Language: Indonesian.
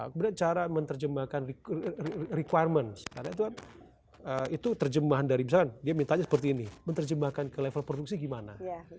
kemudian cara menerjemahkan requirement karena itu kan itu terjemahan dari misalnya dia mintanya seperti ini menerjemahkan ke level produksi gimana